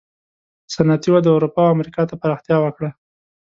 صنعتي وده اروپا او امریکا ته پراختیا وکړه.